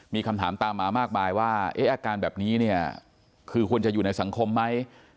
มีคำถามตามมามากมายว่าอาการแบบนี้เนี่ยคือควรจะอยู่ในสังคมไหม